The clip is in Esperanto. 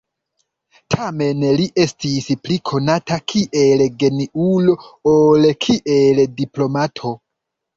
Tamen li estis pli konata kiel geniulo ol kiel diplomato.